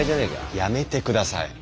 やめてください。